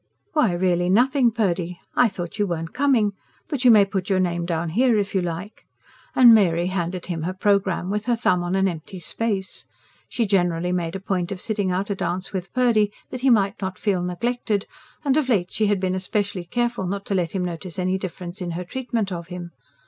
"Why, really nothing, Purdy. I thought you weren't coming. But you may put your name down here if you like," and Mary handed him her programme with her thumb on an empty space: she generally made a point of sitting out a dance with Purdy that he might not feel neglected; and of late she had been especially careful not to let him notice any difference in her treatment of him.